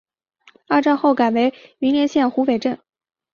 二战后改为云林县虎尾镇。